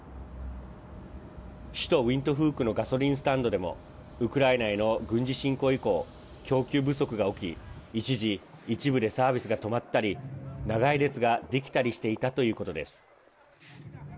首都ウィントフークのガソリンスタンドでもウクライナへの軍事侵攻以降供給不足が起き一時一部でサービスが止まったり長い列ができたりしていたということです。